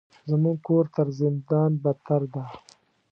زموږ کور تر زندان بدتر ده.